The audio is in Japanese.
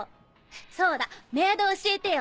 そうだメアド教えてよ。